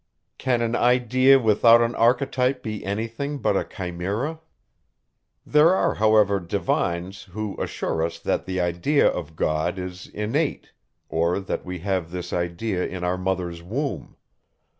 Can an idea without an archetype be anything, but a chimera? There are, however, divines, who assure us that the idea of God is innate; or that we have this idea in our mother's womb.